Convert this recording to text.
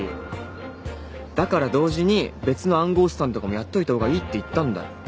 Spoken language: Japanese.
だから同時に別の暗号資産とかもやっといたほうがいいって言ったんだよ。